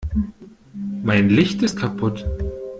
Mein Licht ist kaputt.